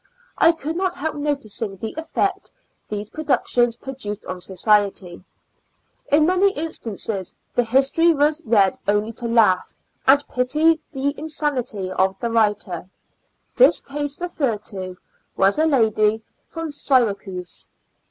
I could not help noticing the effect these productions produced on society. In many instances the history was read only to laugh, and pity the insanity of the writer. This case referred to, was a lady from Syracuse.